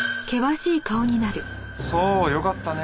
そうよかったね。